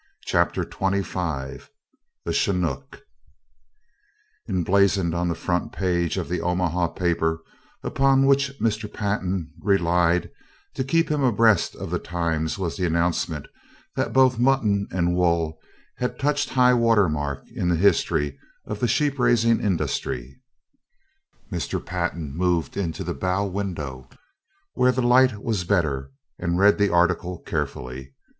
CHAPTER XXV THE CHINOOK Emblazoned on the front page of the Omaha paper upon which Mr. Pantin relied to keep him abreast of the times was the announcement that both mutton and wool had touched highwater mark in the history of the sheep raising industry. Mr. Pantin moved into the bow window where the light was better and read the article carefully.